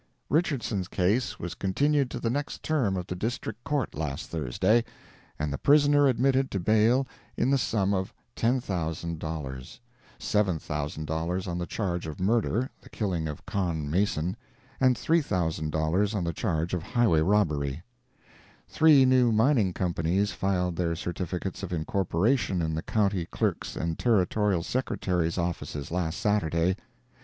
Richardson's case was continued to the next term of the District Court last Thursday, and the prisoner admitted to bail in the sum of $10,000—$7,000 on the charge of murder (the killing of Con Mason), and $3,000 on the charge of highway robbery. Three new mining companies filed their certificates of incorporation in the County Clerk's and Territorial Secretary's offices last Saturday.